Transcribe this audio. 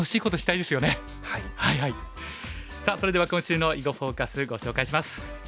さあそれでは今週の「囲碁フォーカス」ご紹介します。